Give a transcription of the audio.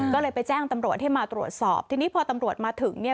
ก็เลยไปแจ้งตำรวจให้มาตรวจสอบทีนี้พอตำรวจมาถึงเนี่ย